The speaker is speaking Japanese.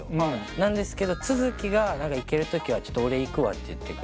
なんですけど都築が行ける時は「ちょっと俺行くわ」って言ってくれて。